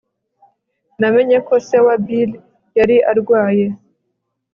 Namenye ko se wa Bill yari arwaye